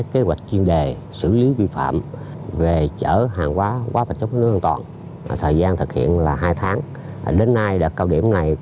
thu hút du khách